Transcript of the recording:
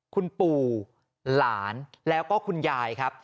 คุณปู่หลานแล้วก็คุณยายครับ